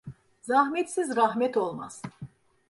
Zahmetsiz rahmet olmaz.